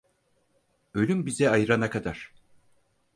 Ölüm bizi ayırana kadar.